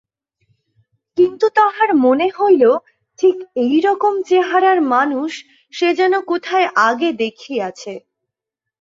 কিন্তু তহার মনে হইল ঠিক এইরকম চেহারার মানুষ সে যেন কোথায় আগে দেখিয়াছে।